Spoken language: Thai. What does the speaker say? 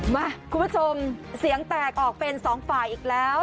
มาคุณผู้ชมเสียงแตกออกเป็นสองฝ่ายอีกแล้ว